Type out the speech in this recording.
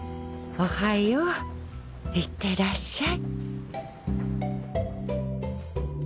おはよう行ってらっしゃい。